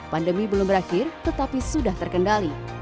pandemi belum berakhir tetapi sudah terkendali